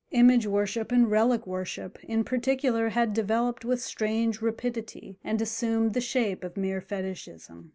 Image worship and relic worship in particular had developed with strange rapidity, and assumed the shape of mere Fetishism.